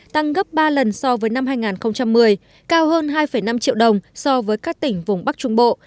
tăng gấp ba lần so với năm hai nghìn một mươi cao hơn hai năm triệu đồng so với các tỉnh vùng bắc trung bộ